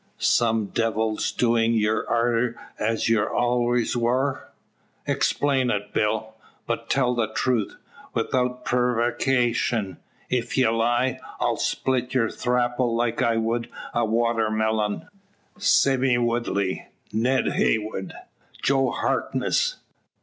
Some devil's doings ye're arter as ye allers war. Explain it, Bill! Tell the truth 'ithout preevaricashun. Ef ye lie, I'll split your thrapple like I wud a water millyun." "Sime Woodley! Ned Heywood! Joe Harkness!"